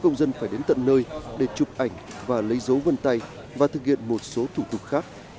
công dân phải đến tận nơi để chụp ảnh và lấy dấu vân tay và thực hiện một số thủ tục khác